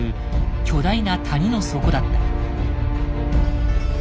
巨大な谷の底だった。